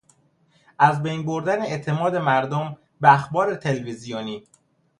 از بین بردن اعتماد مردم به اخبار تلویزیونی